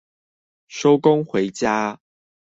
收工回家